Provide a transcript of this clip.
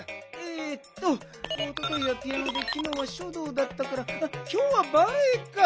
えっとおとといはピアノできのうはしょどうだったからきょうはバレエか！